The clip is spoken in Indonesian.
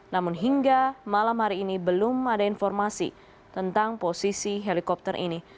namun hingga malam hari ini belum ada informasi tentang posisi helikopter ini